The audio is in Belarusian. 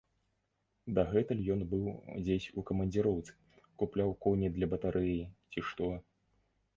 Дагэтуль ён быў дзесь у камандзіроўцы, купляў коні для батарэі, ці што.